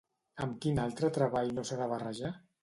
Amb quin altre treball no s'ha de barrejar?